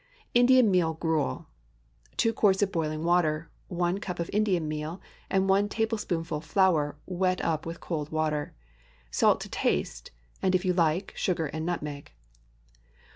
INDIAN MEAL GRUEL. ✠ 2 quarts of boiling water. 1 cup of Indian meal, and 1 tablespoonful flour, wet up with cold water. Salt to taste—and, if you like, sugar and nutmeg.